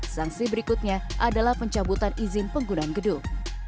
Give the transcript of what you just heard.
sanksi berikutnya adalah pencabutan izin penggunaan gedung